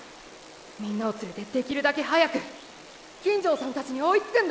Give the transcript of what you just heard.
みんなを連れてできるだけ早く金城さんたちに追いつくんだ！